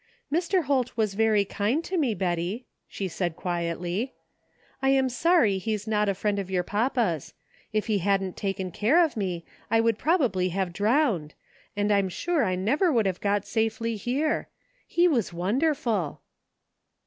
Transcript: '* Mr. Holt was very kind to me, Betty," she said 155 THE FINDING OF JASPER HOLT quietly. " Fm sorry he is not a friend of your papa's. If he hadn't taken care of me I would probably have drowned, and I'm sure I never would have got safdy here. He was wonderful